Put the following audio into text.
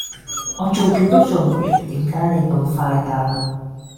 我做極都做唔完點解你咁快㗎